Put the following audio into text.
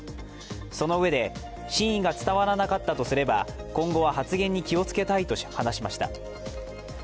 そのうえで、真意が伝わらなかったとすれば今後は発言に気をつけたいと話しました。